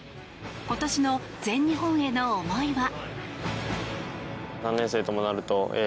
今年の全日本への思いは。